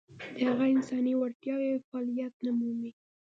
د هغه انساني وړتیاوې فعلیت نه مومي.